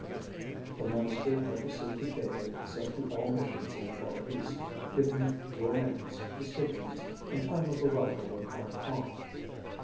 The minister had received the cable sent to all missions in the Far East giving your names, descriptions, and time of arrival in Hong Kong."